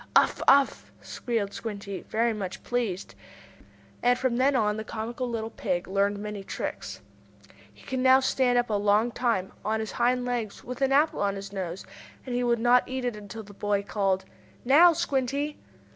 "Uff! Uff!" squealed Squinty, very much pleased. And from then on the comical little pig learned many tricks. He could stand up a long time, on his hind legs, with an apple on his nose. And he would not eat it until the boy called: "Now, Squinty!"